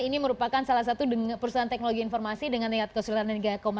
ini merupakan salah satu perusahaan teknologi informasi dengan tingkat kesulitan tiga delapan belas